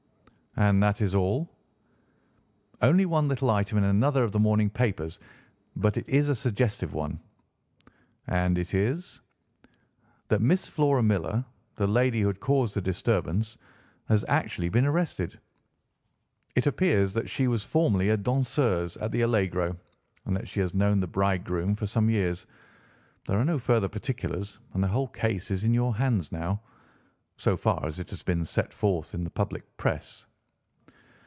'" "And is that all?" "Only one little item in another of the morning papers, but it is a suggestive one." "And it is—" "That Miss Flora Millar, the lady who had caused the disturbance, has actually been arrested. It appears that she was formerly a danseuse at the Allegro, and that she has known the bridegroom for some years. There are no further particulars, and the whole case is in your hands now—so far as it has been set forth in the public press."